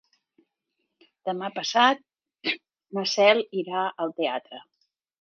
Demà passat na Cel irà al teatre.